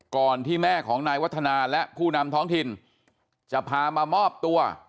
ก่อนที่แม่ของนายวัฒนาและผู้นำท้องถิ่นจะพามามอบตัว